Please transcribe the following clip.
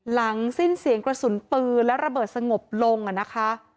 หลังสิ้นเสียงกระสุนปืนและระเบิดสงบลงนะคะ